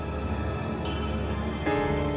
aku mau kita sekedar balik